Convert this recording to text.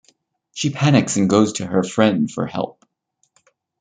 She panics and goes to her friends for help.